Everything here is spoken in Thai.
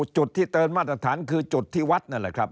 จุดที่เกินมาตรฐานคือจุดที่วัดนั่นแหละครับ